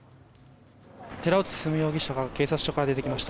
寺内進容疑者が警察署から出てきました。